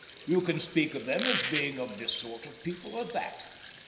You can speak of them as being of this sort of people or that.